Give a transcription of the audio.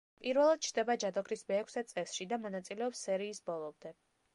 პირველად ჩნდება ჯადოქრის მეექვსე წესში და მონაწილეობს სერიის ბოლომდე.